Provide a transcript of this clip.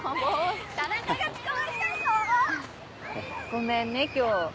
ごめんね今日。